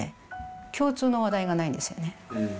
共通の話題がないんですよね。